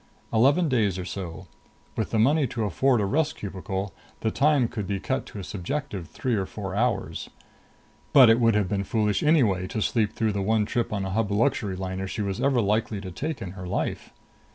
Eleven days or so. With the money to afford a rest cubicle, the time could be cut to a subjective three or four hours. But it would have been foolish anyway to sleep through the one trip on a Hub luxury liner she was ever likely to take in her life.